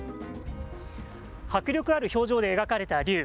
迫力ある表情で描かれた竜。